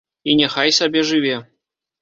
І няхай сабе жыве.